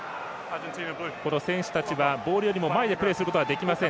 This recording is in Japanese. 選手たちはボールよりも前でプレーすることはできません。